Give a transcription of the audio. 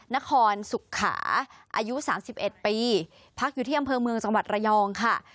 นครสุขาอายุ๓๑ปีพักอยู่ที่อำเภอเมืองจังหวัดระยองค่ะ